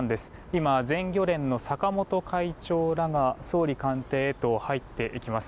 今、全漁連の坂本会長らが総理官邸へと入っていきます。